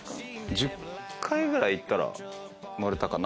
１０回ぐらい行ったら乗れたかな。